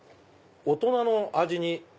大人の味に！